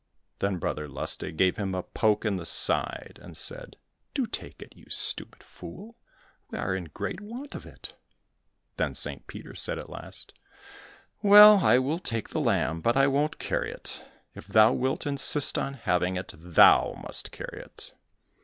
Then Brother Lustig gave him a poke in the side, and said, "Do take it, you stupid fool; we are in great want of it!" Then St. Peter said at last, "Well, I will take the lamb, but I won't carry it; if thou wilt insist on having it, thou must carry it."